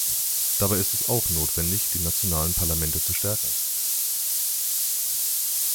Dabei ist es auch notwendig, die nationalen Parlamente zu stärken.